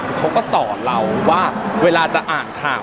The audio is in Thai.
คือเขาก็สอนเราว่าเวลาจะอ่านข่าว